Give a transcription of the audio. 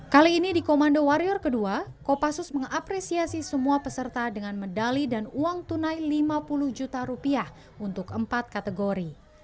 kali ini di komando warrior kedua kopassus mengapresiasi semua peserta dengan medali dan uang tunai lima puluh juta rupiah untuk empat kategori